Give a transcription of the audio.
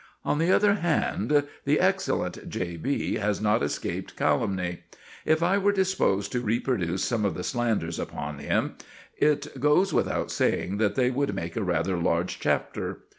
On the other hand, the excellent J.B. has not escaped calumny. If I were disposed to reproduce some of the slanders upon him, it goes without saying that they would make a rather large chapter.